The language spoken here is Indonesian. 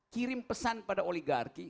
kirim pesan pada oligarki